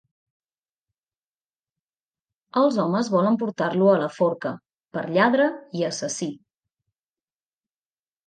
Els homes volen portar-lo a la forca, per lladre i assassí.